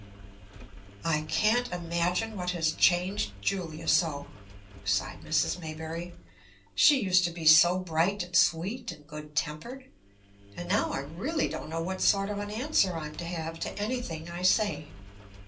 "I can't imagine what has changed Julia so," sighed Mrs. Maybury. "She used to be so bright and sweet and good tempered. And now I really don't know what sort of an answer I'm to have to anything I say.